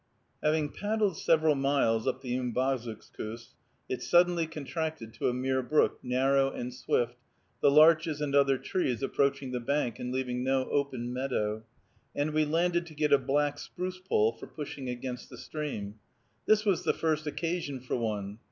Having paddled several miles up the Umbazookskus, it suddenly contracted to a mere brook, narrow and swift, the larches and other trees approaching the bank and leaving no open meadow, and we landed to get a black spruce pole for pushing against the stream. This was the first occasion for one.